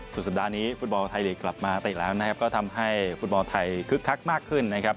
สุดสัปดาห์นี้ฟุตบอลไทยลีกกลับมาเตะแล้วนะครับก็ทำให้ฟุตบอลไทยคึกคักมากขึ้นนะครับ